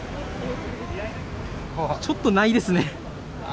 ちょっとないですね。